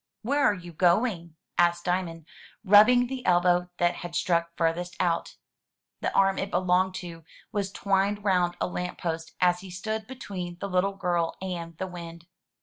''Where are you going?'* asked Diamond, rubbing the elbow that had stuck farthest out. The arm it belonged to was twined round a lamp post as he stood between the Uttle girl and the wind.